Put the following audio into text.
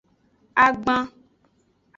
Agban.